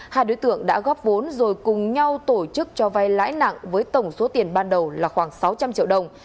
hai đối tượng đã góp vốn rồi cùng nhau tổ chức cho vay lãi nặng với tổng số tiền ban đầu là khoảng sáu trăm linh triệu đồng